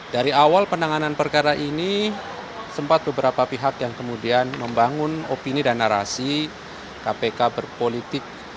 dari awal penanganan perkara ini sempat beberapa pihak yang kemudian membangun opini dan narasi kpk berpolitik